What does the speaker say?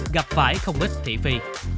gặp phải không ít thị phi